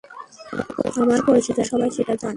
আমার পরিচিত সবাই সেটা জানে।